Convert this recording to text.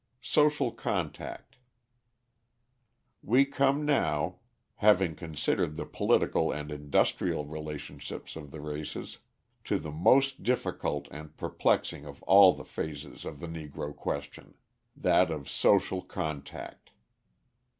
Social Contact We come now, having considered the political and industrial relationships of the races, to the most difficult and perplexing of all the phases of the Negro question that of social contact.